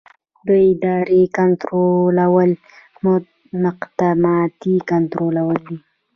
د ادارې کنټرول مقدماتي کنټرول دی.